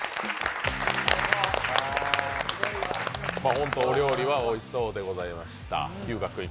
ほんとお料理はおいしそうでございました。